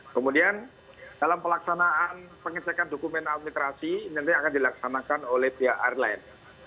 kemudian dalam pelaksanaan pengisikan dokumen administrasi nanti akan dilaksanakan oleh pr land